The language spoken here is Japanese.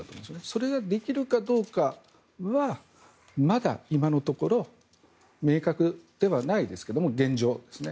それができるかどうかはまだ今のところ明確ではないですが現状ですね。